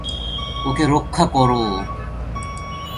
ওকে রক্ষা কোরো।